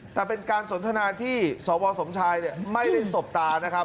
แต่เป็นการสนทนาที่สวสมชายไม่ได้สบตานะครับ